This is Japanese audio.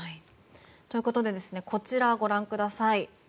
ということでこちら、ご覧ください。